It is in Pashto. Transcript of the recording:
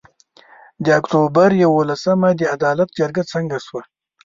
د اُکټوبر یولسمه د عدالت جرګه څنګه سوه؟